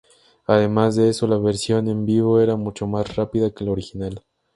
Además de eso la versión en vivo era mucho más rápida que la original.